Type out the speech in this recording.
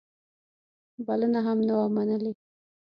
بلنه هم نه وه منلې.